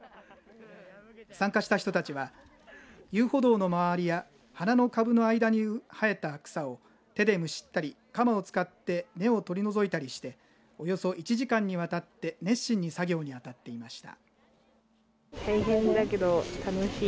参加した人たちは遊歩道の周りや花の株の間に生えた草を手でむしったり鎌を使って根を取り除いたりしておよそ１時間にわたって熱心に作業に当たっていました。